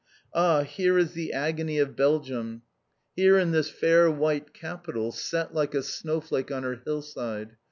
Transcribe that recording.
Ah, here is the agony of Belgium here in this fair white capital set like a snowflake on her hillside.